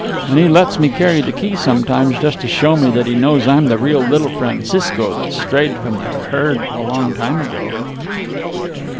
And he lets me carry the key sometimes just to show me that he knows I'm the real little Francisco that strayed from the herd a long time ago."